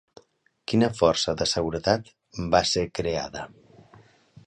Quina força de seguretat va ser creada?